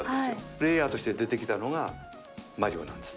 プレーヤーとして出てきたのがマリオなんです。